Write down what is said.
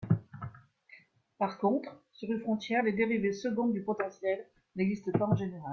Par contre, sur une frontière les dérivées secondes du potentiel n'existent pas en général.